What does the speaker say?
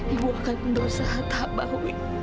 ibu akan berusaha tahap bahu